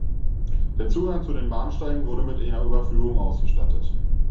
Der Zugang zu den Bahnsteigen wurde mit einer Überführung ausgestattet.